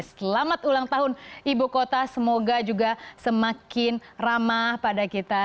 selamat ulang tahun ibu kota semoga juga semakin ramah pada kita